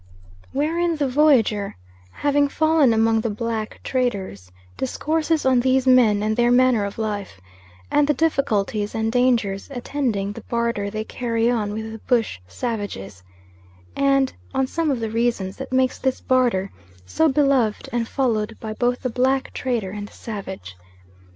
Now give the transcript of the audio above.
Wherein the Voyager, having fallen among the black traders, discourses on these men and their manner of life; and the difficulties and dangers attending the barter they carry on with the bush savages; and on some of the reasons that makes this barter so beloved and followed by both the black trader and the savage.